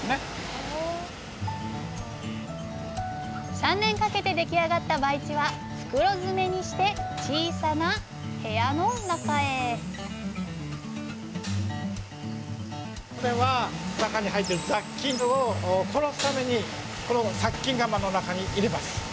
３年かけて出来上がった培地は袋詰めにして小さな部屋の中へこれは中に入ってる雑菌を殺すためにこの殺菌釜の中に入れます。